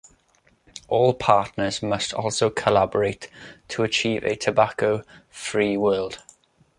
All partners must also collaborate to achieve a tobacco-free world.